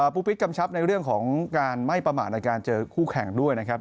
ปูปิ๊กกำชับในเรื่องของการไม่ประมาทในการเจอคู่แข่งด้วยนะครับ